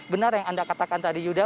benar yang anda katakan tadi yuda